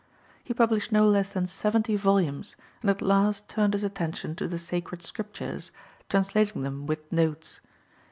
He published no less than seventy volumes, and at last turned his attention to the sacred Scriptures, translating them with notes.